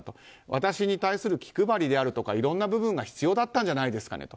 私に対する気配りであるとかいろんな部分が必要だったんじゃないですかねと。